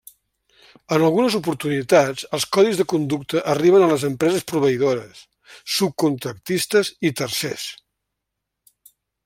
En algunes oportunitats els codis de conducta arriben a les empreses proveïdores, subcontractistes i tercers.